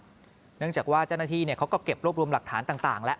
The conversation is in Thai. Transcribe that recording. เนื่องจากว่าเจ้าหน้าที่เขาก็เก็บรวบรวมหลักฐานต่างแล้ว